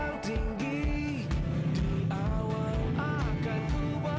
kami bersama sepanjang masa